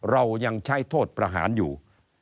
เรายังใช้โทษประหารอยู่